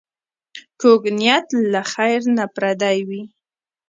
کوږ نیت له خېر نه پردی وي